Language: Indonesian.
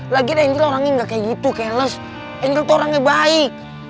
lagian angel orangnya gak kayak gitu kayak les angel tuh orangnya baik